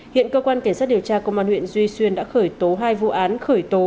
hiện cơ quan cảnh sát điều tra công an huyện duy xuyên đã khởi tố hai vụ án khởi tố